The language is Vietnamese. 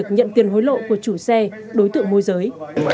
nhận tiền hối lộ của chủ xe đối tượng môi giới